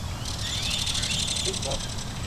اس ڈر